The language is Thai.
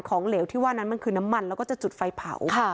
เหลวที่ว่านั้นมันคือน้ำมันแล้วก็จะจุดไฟเผา